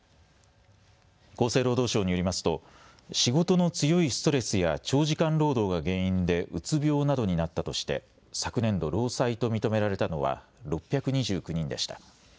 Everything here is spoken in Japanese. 厚生労働省によりますと仕事の強いストレスや長時間労働が原因でうつ病などになったとして昨年度、労災と認められたのは６２９人でした。